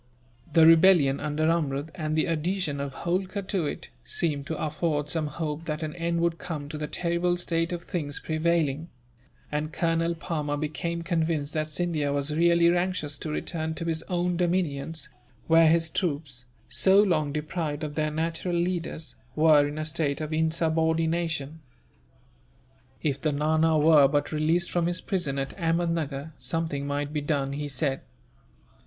The rebellion under Amrud, and the adhesion of Holkar to it, seemed to afford some hope that an end would come to the terrible state of things prevailing; and Colonel Palmer became convinced that Scindia was really anxious to return to his own dominions, where his troops, so long deprived of their natural leaders, were in a state of insubordination. If the Nana were but released from his prison at Ahmednuggur, something might be done, he said.